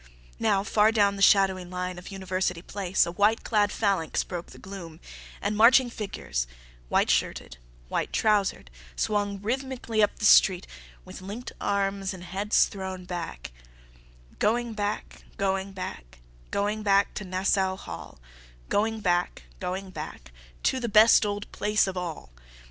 Now, far down the shadowy line of University Place a white clad phalanx broke the gloom, and marching figures, white shirted, white trousered, swung rhythmically up the street, with linked arms and heads thrown back: "Going back—going back, Going—back—to—Nas sau—Hall, Going back—going back— To the—Best—Old—Place—of—All.